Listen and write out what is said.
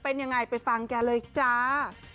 เป็นอย่างไรไปฟังกันเลยจ้า